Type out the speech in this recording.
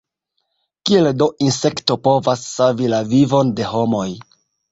Kiel do insekto povas savi la vivon de homoj?